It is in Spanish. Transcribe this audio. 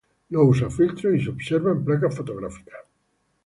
No usa filtros, y se observa en placas fotográficas.